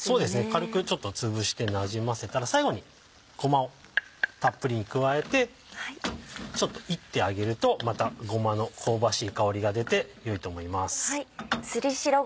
軽くちょっとつぶしてなじませたら最後にごまをたっぷり加えてちょっといってあげるとまたごまの香ばしい香りが出て良いと思います。